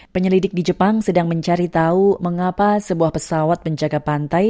penyelidik di jepang sedang mencari tahu mengapa sebuah pesawat penjaga pantai